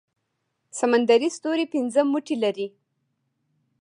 سمندري ستوری پنځه مټې لري